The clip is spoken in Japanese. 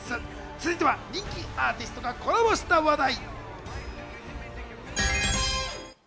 続いて、人気アーティストがコラボした話題。